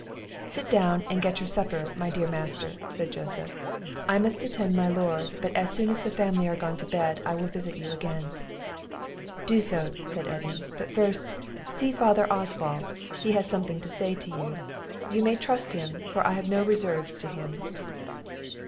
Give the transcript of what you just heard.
"Sit down and get your supper, my dear Master," said Joseph: "I must attend my Lord; but as soon as the family are gone to bed, I will visit you again." "Do so," said Edmund; "but first, see Father Oswald; he has something to say to you. You may trust him, for I have no reserves to him."